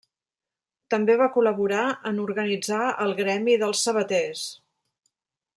També va col·laborar en organitzar al gremi dels sabaters.